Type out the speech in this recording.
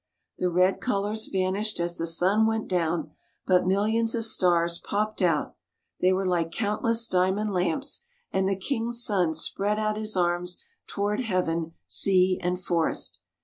The red colours vanished as the sun went down, but millions of stars peeped out ; they were like countless diamond lamps, and the king's son spread out his arms towards heaven, sea, and forest.